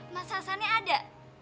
mas hasan ini ada